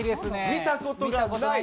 見たことない。